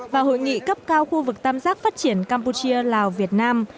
và hội nghị cấp cao khu vực tam giác phát triển campuchia lào việt nam